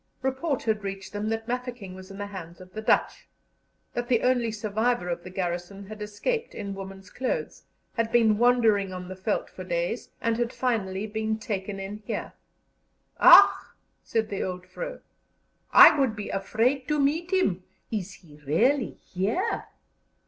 Report had reached them that Mafeking was in the hands of the Dutch, that the only survivor of the garrison had escaped in woman's clothes, had been wandering on the veldt for days, and had finally been taken in here. "Ach!" said the old vrow, "I would be afraid to meet him. Is he really here?"